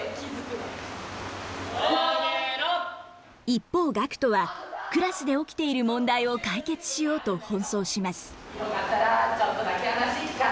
一方ガクトはクラスで起きている問題を解決しようと奔走します。